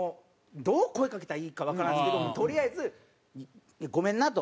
どう声かけたらいいかわからないですけどとりあえず「ごめんな」と。